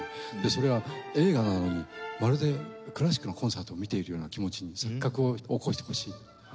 それは映画なのにまるでクラシックのコンサートを見ているような気持ちに錯覚を起こしてほしい。